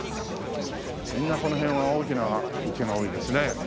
みんなこの辺は大きな家が多いですね。